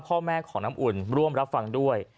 พ่อแม่ของน้ำอุ่นร่วมรับฟังด้วย